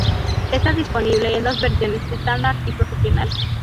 Está disponible en dos versiones: Standard y Professional.